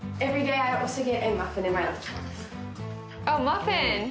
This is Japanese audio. あっマフィン。